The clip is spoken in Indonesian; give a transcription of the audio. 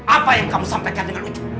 apa yang kamu sampaikan dengan itu